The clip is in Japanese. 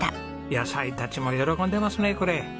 野菜たちも喜んでますねこれ。